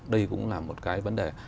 đây cũng là một cái vấn đề